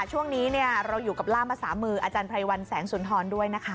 ช่วงนี้เราอยู่กับล่ามภาษามืออาจารย์ไพรวัลแสงสุนทรด้วยนะคะ